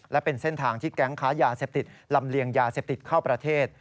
และเป็นเส้นทางที่แก๊งค้ายาเสพติดลำเลียงยาเสพติดเข้าประเทศ